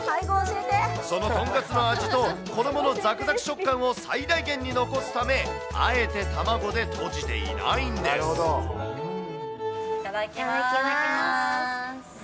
その豚カツの味と、衣のざくざく食感を最大限に残すため、あえていただきます。